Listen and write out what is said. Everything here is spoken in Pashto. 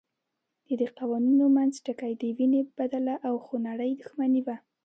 ددې قوانینو منځ ټکی د وینې بدله او خونړۍ دښمني وه.